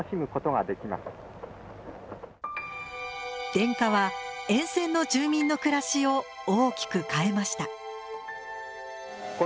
電化は沿線の住民の暮らしを大きく変えました。